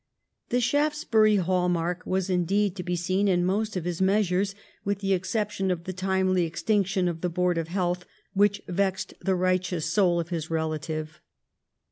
The Shaftesbury hall mark was indeed to be seen in most of his measures, with the exception of the timely extinction of the Board of Health, which vexed the righteous soul of his relative.